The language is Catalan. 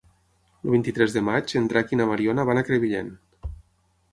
El vint-i-tres de maig en Drac i na Mariona van a Crevillent.